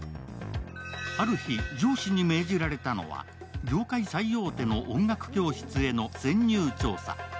ある日、上司に命じられたのは業界最大手の音楽教室への潜入調査。